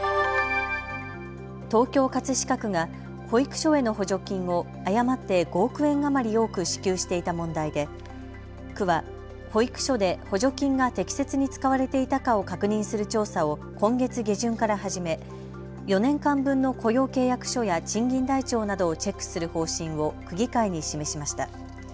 東京葛飾区が保育所への補助金を誤って５億円余り多く支給していた問題で区は保育所で補助金が適切に使われていたかを確認する調査を今月下旬から始め４年間分の雇用契約書や賃金台帳などをチェックする方針を区議会に示しました。